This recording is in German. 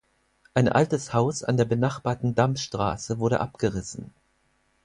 Ein altes Haus an der benachbarten Dammstraße wurde abgerissen.